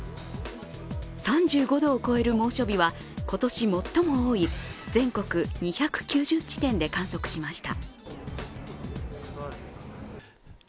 ３５度を超える猛暑日は今年最も多い全国２９０地点で観測しました。